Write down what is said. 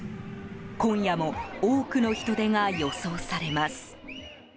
今夜も多くの人出が予想されます。